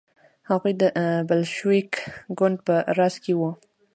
هغوی د بلشویک ګوند په راس کې وو.